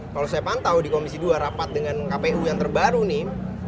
kalau saya pantau di komisi dua rapat dengan kpu yang terbaru nih